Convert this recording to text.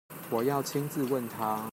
我要親自問他